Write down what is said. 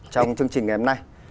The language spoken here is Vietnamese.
trong chương trình ngày hôm nay